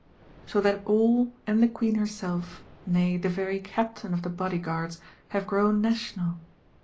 So that all, and the Queen herself, nay the very Captain of the Bodyguards, have grown National!